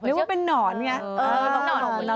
เวลาเป็นหนอนไง